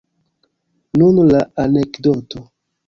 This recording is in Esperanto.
Nun la anekdoto.